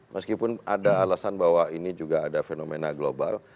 meskipun ada alasan bahwa ini juga ada fenomena global